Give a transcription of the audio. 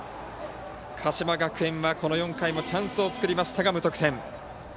鹿島学園はこの４回もチャンスを作りましたが無得点。